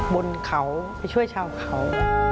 บนเขาไปช่วยชาวเขา